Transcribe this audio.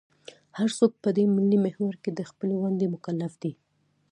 هر څوک په دې ملي محور کې د خپلې ونډې مکلف دی.